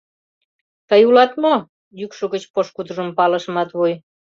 Тый улат мо? — йӱкшӧ гыч пошкудыжым палыш Матвуй.